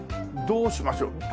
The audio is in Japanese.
どうしましょう？